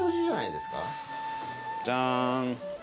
じゃーん。